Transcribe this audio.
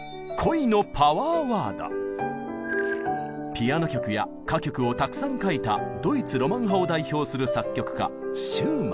ピアノ曲や歌曲をたくさん書いたドイツ・ロマン派を代表する作曲家シューマン。